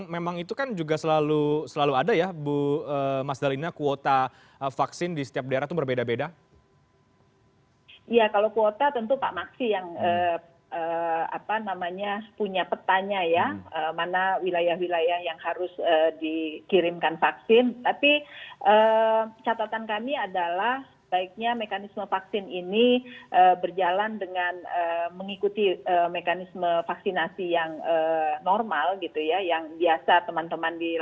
memang kita pernah men survey di bulan november